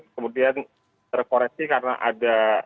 kemudian terkoreksi karena ada